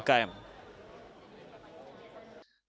bagaimana perusahaan perusahaan yang diperuntukkan bagi pelaku umkm